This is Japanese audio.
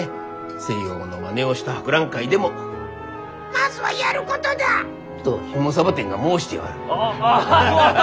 西洋のマネをした博覧会でも「まずはやることだ！」とヒモサボテンが申しておる。